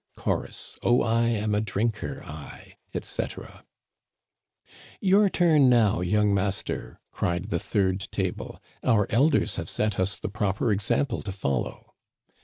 Chorus, Oh, I am a drinker, I, etc." '* Your turn now, young master !" cried the third table. Our elders have set us the proper example to follow."